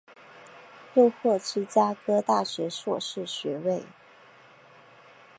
又获芝加哥大学硕士学位。